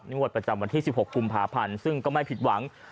งวดประจำวันที่๑๖กุมภาพันธ์ซึ่งก็ไม่ผิดหวัง